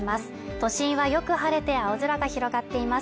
都心はよく晴れて青空が広がっています。